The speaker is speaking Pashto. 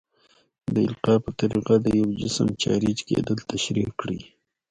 د القاء په طریقه د یو جسم چارج کیدل تشریح کړئ.